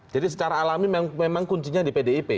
jadi secara alami memang kuncinya di pdip